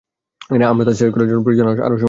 আমার তার সেট করার জন্য আরো সময় প্রয়োজন।